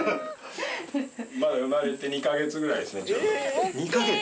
まだ生まれて２か月ぐらいですね。